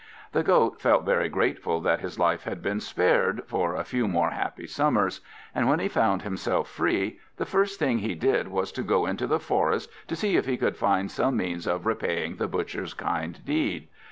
The Goat felt very grateful that his life had been spared for a few more happy summers; and when he found himself free, the first thing he did was to go into the forest to see if he could find some means of repaying the Butcher's kind deed.